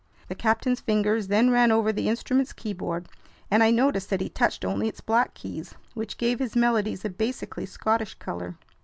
The captain's fingers then ran over the instrument's keyboard, and I noticed that he touched only its black keys, which gave his melodies a basically Scottish color.